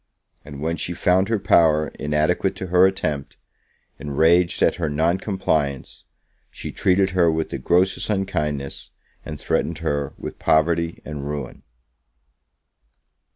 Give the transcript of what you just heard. And, when she found her power inadequate to her attempt, enraged at her non compliance, she treated her with the grossest unkindness, and threatened her with poverty and ruin.